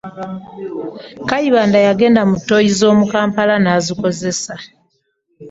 Kayibanda yagenda mu ttooyi z’omu Kampala, n’azikozesa.